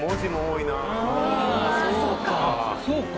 そうか！